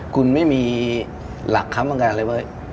คุณไม่มีหลักคำว่าการอะไรเว้ย